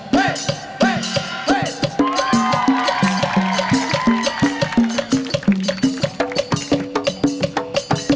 กลับมาที่สุดท้าย